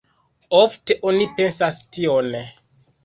Ofte oni pensas tion.